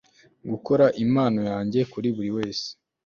Gukora impano yanjye kuri buriwese